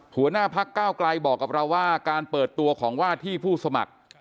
หัวหน้าพักเก้าไกลบอกกับเราว่าการเปิดตัวของว่าที่ผู้สมัคร